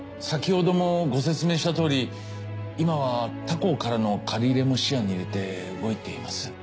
先ほどもご説明したとおり今は他行からの借り入れも視野に入れて動いています。